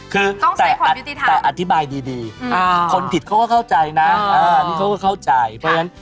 คือแต่อธิบายดีคนผิดเขาก็เข้าใจนะเพราะฉะนั้น